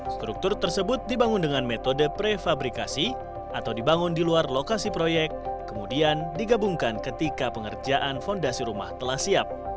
struktur tersebut dibangun dengan metode prefabrikasi atau dibangun di luar lokasi proyek kemudian digabungkan ketika pengerjaan fondasi rumah telah siap